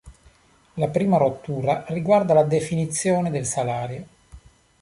La prima rottura riguarda la definizione del salario.